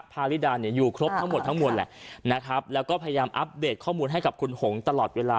ปาริดาอยู่ครบทั้งหมดทั้งหมดแหละแล้วก็พยายามอัปเดตข้อมูลให้กับคุณหงษ์ตลอดเวลา